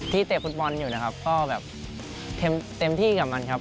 เตะฟุตบอลอยู่นะครับก็แบบเต็มที่กับมันครับ